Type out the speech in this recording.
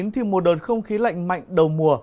thì mùa đợt không khí lạnh mạnh đầu mùa